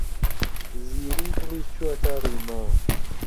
زیری دڵی چووەتە ڕیما.